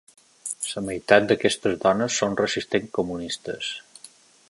La meitat d'aquestes dones són resistents comunistes.